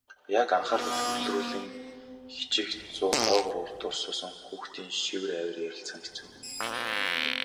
Яг анхаарлаа төвлөрүүлэн хичээх зуур хойгуур урдуур суусан хүүхдийн шивэр авир ярилцах нь хэцүү.